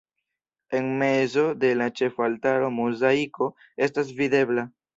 En mezo de la ĉefaltaro mozaiko estas videbla.